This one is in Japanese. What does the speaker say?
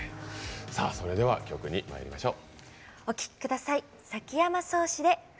それでは曲にまいりましょう。